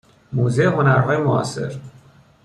موزه هنرهای معاصر